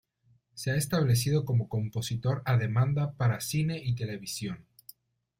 Se ha establecido como compositor a demanda para cine y televisión.